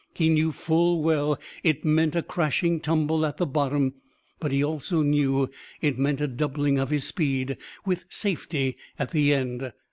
He knew full well it meant a crashing tumble at the bottom, but he also knew it meant a doubling of his speed with safety at the end.